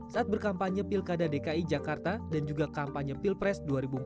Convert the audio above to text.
saat berkampanye pilkada dki jakarta dan juga kampanye pilpres dua ribu empat belas